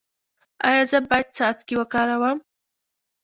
ایا زه باید څاڅکي وکاروم؟